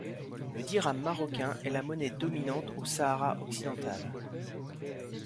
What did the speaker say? Le dirham marocain est la monnaie dominante au Sahara occidental.